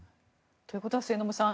ということは末延さん